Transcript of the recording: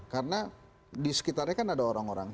karena di sekitarnya kan ada orang orang